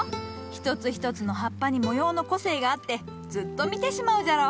一つ一つの葉っぱに模様の個性があってずっと見てしまうじゃろ。